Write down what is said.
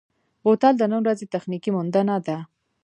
بوتل د نن ورځې تخنیکي موندنه ده.